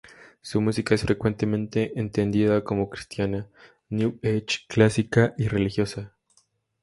Su música es frecuentemente entendida como Cristiana, New Age, Clásica y Religiosa.